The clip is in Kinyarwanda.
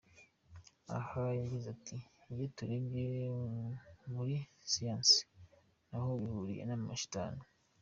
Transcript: Aha yagize ati : “Iyo turebye muri siyanse ntaho bihuriye n’amashitani.